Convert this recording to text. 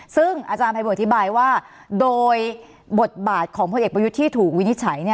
ซึ่งอาจารย์ภัยบทอธิบายว่าโดยบทบาทของพลเอกประยุทธ์ที่ถูกวินิจฉัย